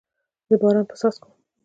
د باران په څاڅکو